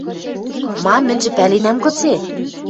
– Ма, мӹньжӹ пӓленӓм гыце?